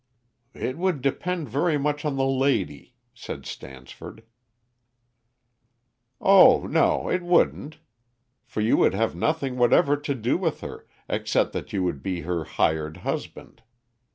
"It would depend very much on the lady," said Stansford. "Oh no, it wouldn't; for you would have nothing whatever to do with her, except that you would be her hired husband.